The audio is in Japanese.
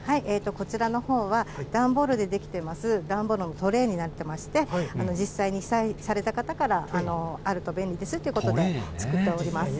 こちらのほうは、段ボールで出来てます、段ボールのトレイになってまして、実際に被災された方から、あると便利ですということで、作っております。